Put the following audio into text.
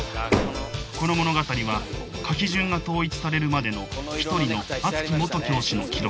この物語は書き順が統一されるまでの一人の熱き元教師の記録